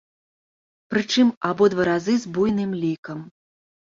Прычым, абодва разы з буйным лікам.